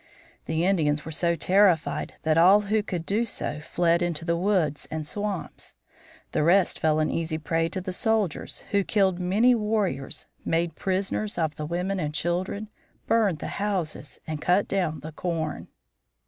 The Indians were so terrified that all who could do so fled into the woods and swamps. The rest fell an easy prey to the soldiers, who killed many warriors, made prisoners of the women and children, burned the houses, and cut down the corn.